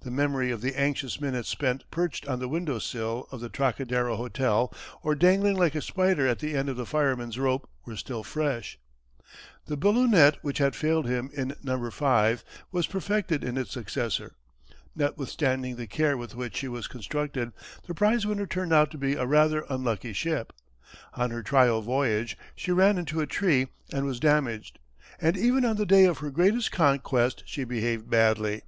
The memory of the anxious minutes spent perched on the window sill of the Trocadero Hotel or dangling like a spider at the end of the firemen's rope were still fresh. The ballonet which had failed him in "No. V." was perfected in its successor. Notwithstanding the care with which she was constructed the prize winner turned out to be a rather unlucky ship. On her trial voyage she ran into a tree and was damaged, and even on the day of her greatest conquest she behaved badly.